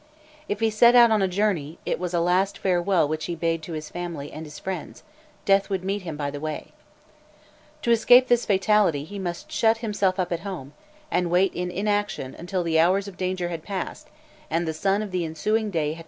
If he set out on a journey, it was a last farewell which he bade to his family and friends: death would meet him by the way. To escape this fatality, he must shut himself up at home, and wait in inaction until the hours of danger had passed and the sun of the ensuing day had put the evil one to flight.